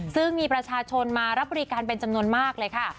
ซึ่งมีประชาชนมารับบริการเป็นจำนวนมากเลยค่ะ